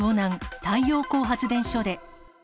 太陽光発電所で。